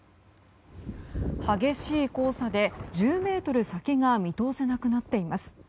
激しい黄砂で１０ｍ先が見通せなくなっています。